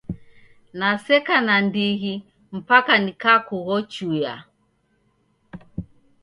Naseka nandighi mpaka nikakughochuya.